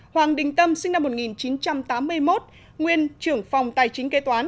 hoàng đình tâm sinh năm một nghìn chín trăm tám mươi một nguyên trưởng phòng tài chính kế toán